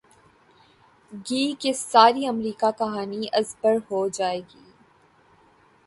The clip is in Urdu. گی کہ ساری امریکی کہانی از بر ہو جائے۔